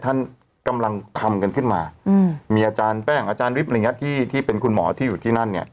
ท่านกำลังทำกันขึ้นมามีอาจารย์แป้งอาจารย์วิบอะไรอย่างนี้ที่เป็นคุณหมอที่อยู่ที่นั่นเนี่ย